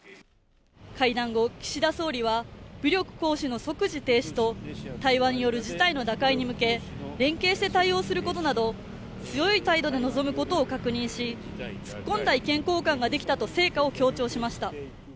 会談後、岸田総理は武力行使の即時停止と対話による事態の打開に向け連携して対応することなど強い態度で臨むことを確認し突っ込んだ意見交換ができたと成果を強調しました。